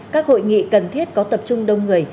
các hội nghị cần thiết có tập trung đông người